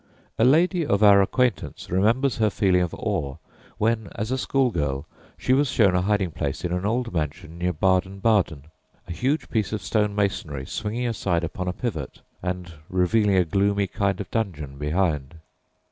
A lady of our acquaintance remembers her feeling of awe when, as a school girl, she was shown a hiding place in an old mansion near Baden Baden a huge piece of stone masonry swinging aside upon a pivot and revealing a gloomy kind of dungeon behind.